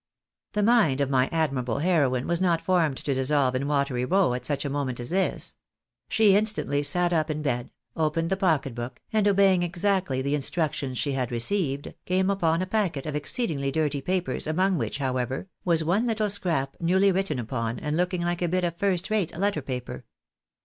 The mind of my admirable heroine was not formed to dissolve in watery woe at such a moment as this. She instantly sat up in bed, opened the pocket book, and obeying exactly the instructions she had received, came upon a packet of exceedingly dirty papers, among which, however, was one httle scrap newly written upon, and looking like a bit of first rate letter paper.